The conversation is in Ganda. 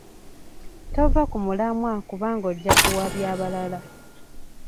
Tova ku mulamwa kubanga ojja kuwabya balala.